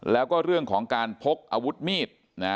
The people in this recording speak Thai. แล้วก็เรื่องของการพกอาวุธมีด